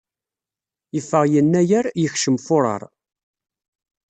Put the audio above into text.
Yeffeɣ Yennayer, yekcem Furar.